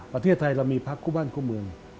ประเทศไทยเรามีพักคู่บ้านคู่เมือง